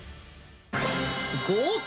豪快！